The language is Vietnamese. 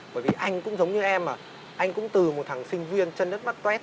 bởi vì anh cũng giống như em mà anh cũng từ một thằng sinh viên chân đất mắt tuét